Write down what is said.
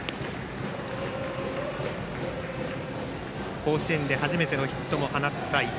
甲子園で初めてのヒットを放った伊藤。